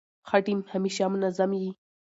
ښه ټیم همېشه منظم يي.